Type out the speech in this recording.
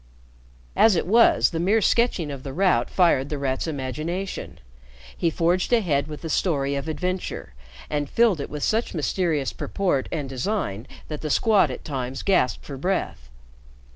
As it was, the mere sketching of the route fired The Rat's imagination. He forged ahead with the story of adventure, and filled it with such mysterious purport and design that the Squad at times gasped for breath.